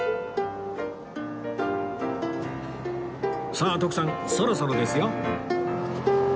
さあ徳さんそろそろですよ